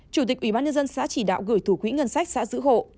chủ tịch ủy ban nhân dân xã chỉ đạo gửi thủ quỹ ngân sách xã giữ hộ